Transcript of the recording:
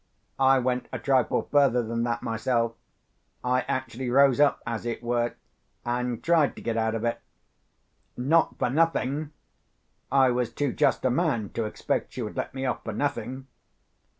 I went a trifle further than that myself; I actually rose up, as it were, and tried to get out of it. Not for nothing! I was too just a man to expect she would let me off for nothing.